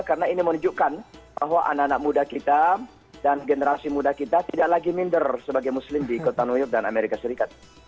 karena ini menunjukkan bahwa anak anak muda kita dan generasi muda kita tidak lagi minder sebagai muslim di kota new york dan amerika serikat